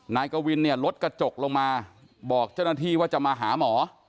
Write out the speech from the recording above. นายกวินเนี่ยลดกระจกลงมาบอกเจ้าหน้าที่ว่าจะมาหาหมอ